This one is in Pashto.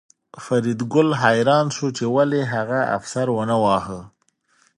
فریدګل حیران شو چې ولې هغه افسر ونه واهه